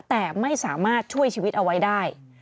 แต่ไม่สามารถช่วยชีวิตเอาไว้ได้